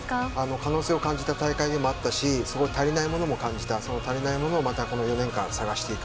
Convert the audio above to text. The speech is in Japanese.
可能性を感じた大会でもあったし足りないものも感じたその足りないものを４年間探していく。